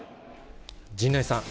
陣内さん。